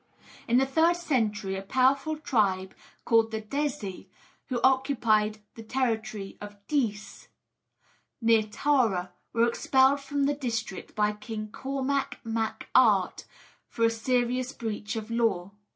In the third century, a powerful tribe called the Desii, who occupied the territory of Deece, near Tara, were expelled from the district by King Cormac Mac Art, for a serious breach of law.